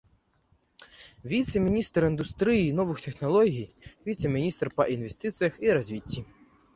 Віцэ-міністр індустрыі і новых тэхналогій, віцэ-міністр па інвестыцыях і развіцці.